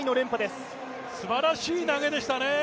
すばらしい投げでしたね。